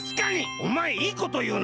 おまえいいこというな。